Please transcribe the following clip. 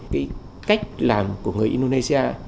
cái cách làm của người indonesia